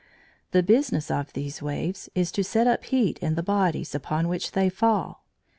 The business of these waves is to set up heat in the bodies upon which they fall.